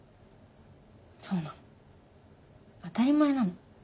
そうなの当たり前なの。